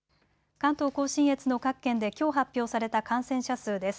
関東甲信越の各県できょう発表された感染者数です。